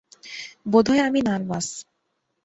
বোধহয় আমি নার্ভাস।